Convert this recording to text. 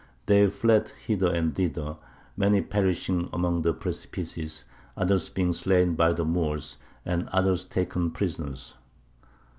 They fled hither and thither, many perishing among the precipices, others being slain by the Moors, and others taken prisoners."